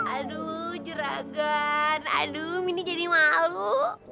aduh jeragan aduh ini jadi malu